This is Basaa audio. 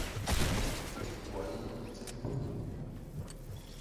Dikwai di mpuwe.